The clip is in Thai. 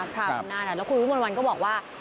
พระอำนาจแล้วคุณวิทย์มันวันก็บอกว่า